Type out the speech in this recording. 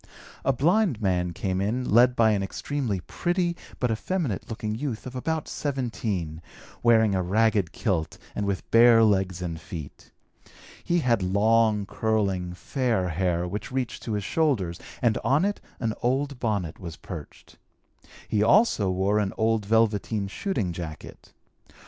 A blind man came in led by an extremely pretty but effeminate looking youth of about 17, wearing a ragged kilt and with bare legs and feet. He had long, curling, fair hair which reached to his shoulders and on it an old bonnet was perched. He also wore an old velveteen shooting jacket.